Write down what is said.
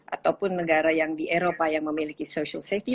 ataupun negara yang di eropa yang memiliki social safety